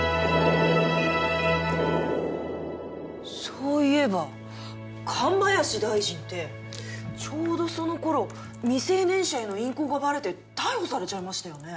そういえば神林大臣ってちょうどその頃未成年者への淫行がバレて逮捕されちゃいましたよね。